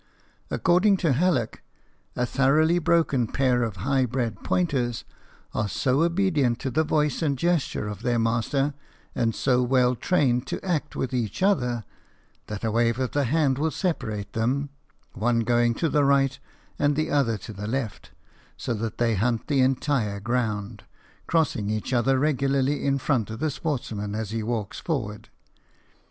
According to Hallock, a thoroughly broken pair of high bred pointers are so obedient to the voice and gesture of their master and so well trained to act with each other, that a wave of the hand will separate them, one going to the right and the other to the left, so that they hunt the entire ground, crossing each other regularly in front of the sportsman as he walks forward.